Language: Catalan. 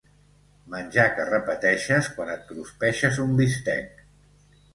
Menjar que repeteixes quan et cruspeixes un bistec.